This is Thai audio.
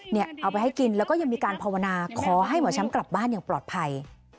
เอาไปให้กินแล้วก็ยังมีการภาวนาขอให้หมอแชมป์กลับบ้านอย่างปลอดภัย